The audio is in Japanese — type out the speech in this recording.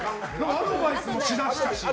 アドバイスもし出したし。